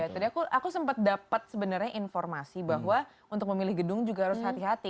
jadi aku sempat dapat sebenarnya informasi bahwa untuk memilih gedung juga harus hati hati